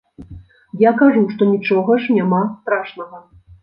Я кажу, што нічога ж няма страшнага.